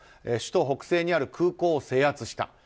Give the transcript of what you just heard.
首都北西にある空港を制圧した。